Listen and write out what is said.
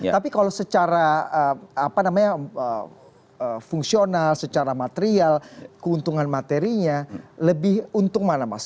tapi kalau secara fungsional secara material keuntungan materinya lebih untung mana mas